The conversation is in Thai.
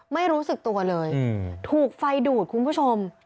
ไม่รู้สึกตัวเลยถูกไฟดูดคุณผู้ชม